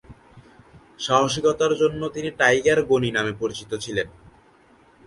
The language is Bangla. সাহসিকতার জন্য তিনি "টাইগার গণি" নামে পরিচিত ছিলেন।